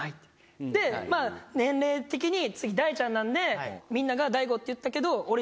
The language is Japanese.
まぁ年齢的に次大ちゃんなんでみんなが大吾って言ったけど。